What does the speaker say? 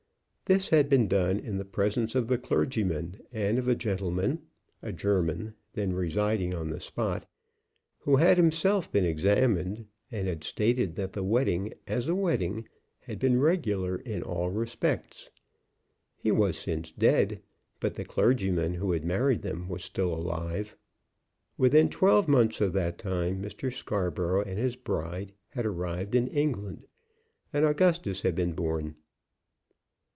This had been done in the presence of the clergyman and of a gentleman, a German, then residing on the spot, who had himself been examined, and had stated that the wedding, as a wedding, had been regular in all respects. He was since dead, but the clergyman who had married them was still alive. Within twelve months of that time Mr. Scarborough and his bride had arrived in England, and Augustus had been born.